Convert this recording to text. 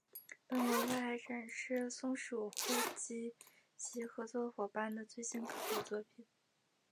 本模块还展示松鼠会及其合作伙伴的最新科普作品。